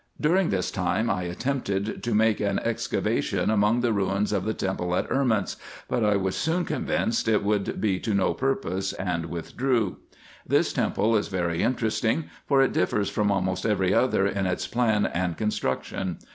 During this time, I attempted to make an excavation among the ruins of the temple at Erments, but I was soon convinced it would be to no purpose, and withdrew. This temple is very interesting, for it differs from almost every other in its plan and construction.